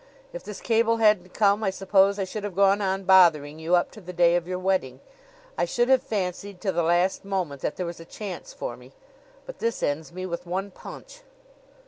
If this cable hadn't come I suppose I should have gone on bothering you up to the day of your wedding. I should have fancied, to the last moment, that there was a chance for me; but this ends me with one punch.